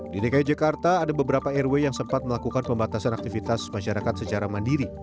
di dki jakarta ada beberapa rw yang sempat melakukan pembatasan aktivitas masyarakat secara mandiri